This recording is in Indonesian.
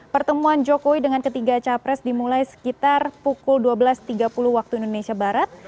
pertemuan jokowi dengan ketiga capres dimulai sekitar pukul dua belas tiga puluh waktu indonesia barat